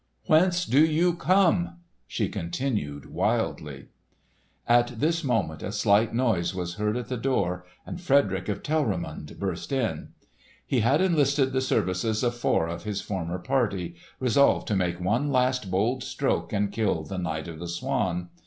"Whence do you come?" she continued wildly. At this moment a slight noise was heard at the door, and Frederick of Telramund burst in. He had enlisted the services of four of his former party, resolved to make one last bold stroke and kill the Knight of the Swan.